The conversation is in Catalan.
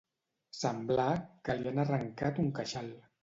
Semblar que li han arrencat un queixal.